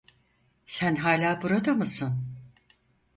Sen hala burada mısın?